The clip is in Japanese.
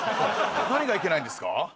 何がいけないんですか？